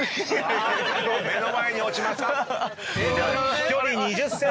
飛距離２０ｃｍ！